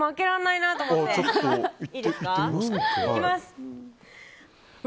いきます！